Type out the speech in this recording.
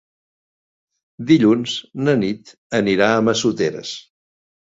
Dilluns na Nit anirà a Massoteres.